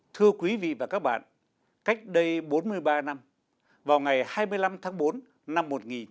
thưa quý vị và các bạn cách đây bốn mươi ba năm vào ngày hai mươi năm tháng bốn năm một nghìn chín trăm bảy mươi